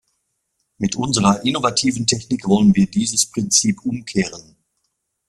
Mit unserer innovativen Technik wollen wir dieses Prinzip umkehren.